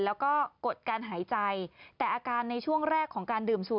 แล้วก็กดการหายใจแต่อาการในช่วงแรกของการดื่มสูต